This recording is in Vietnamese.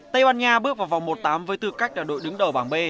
tây ban nha bước vào vòng một tám với tư cách là đội đứng đầu bảng b